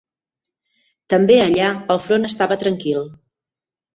També allà el front estava tranquil